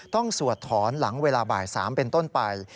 สวดถอนหลังเวลาบ่าย๓เป็นต้นไป